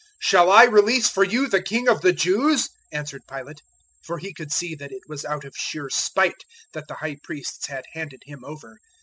015:009 "Shall I release for you the King of the Jews?" answered Pilate. 015:010 For he could see that it was out of sheer spite that the High Priests had handed Him over.